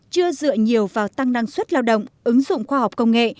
chưa dựa nhiều vào tăng năng suất lao động ứng dụng khoa học công nghệ